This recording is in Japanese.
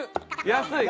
安い。